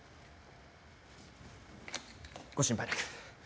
ご心配なく。